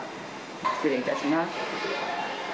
失礼いたします。